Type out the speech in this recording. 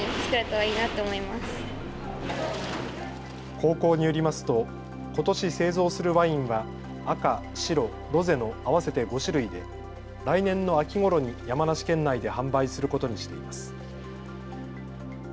高校によりますとことし製造するワインは赤、白、ロゼの合わせて５種類で来年の秋ごろに山梨県内で販売することにしています。